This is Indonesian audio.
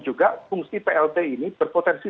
juga fungsi plt ini berpotensi